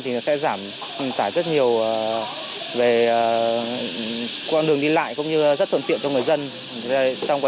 thì nó sẽ giảm tải rất nhiều về con đường đi lại cũng như rất thuận tiện cho người dân trong quá